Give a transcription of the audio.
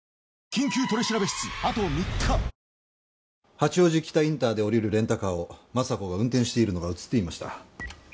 八王子北インターで降りるレンタカーを昌子が運転しているのが映っていました。